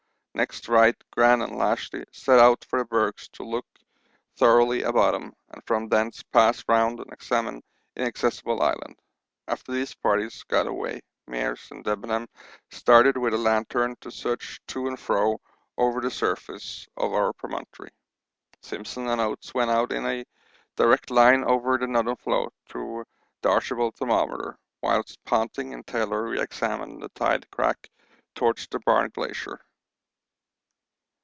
Next Wright, Gran, and Lashly set out for the bergs to look thoroughly about them and from thence pass round and examine Inaccessible Island. After these parties got away, Meares and Debenham started with a lantern to search to and fro over the surface of our promontory. Simpson and Oates went out in a direct line over the Northern floe to the 'Archibald' thermometer, whilst Ponting and Taylor re examined the tide crack towards the Barne Glacier.